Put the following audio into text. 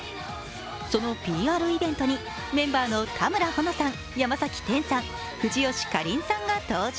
そのＰＲイベントにメンバーの田村保乃さん、山崎天さん、藤吉夏鈴さんが登場。